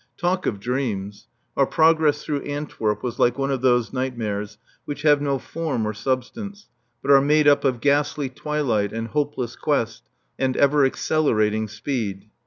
Talk of dreams! Our progress through Antwerp was like one of those nightmares which have no form or substance but are made up of ghastly twilight and hopeless quest and ever accelerating speed.